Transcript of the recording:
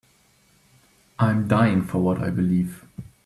I'm dying for what I believe.